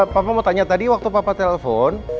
papa mau tanya tadi waktu papa telepon